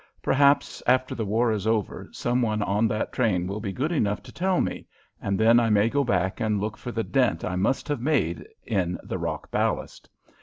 Perhaps, after the war is over, some one on that train will be good enough to tell me, and then I may go back and look for the dent I must have made in the rock ballast.